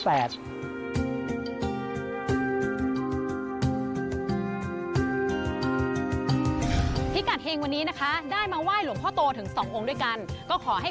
โปรดติดตามตอนต่อไป